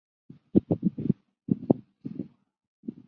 痛痛病是日本四大公害病之一。